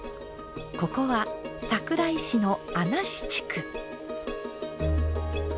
ここは桜井市の穴師地区。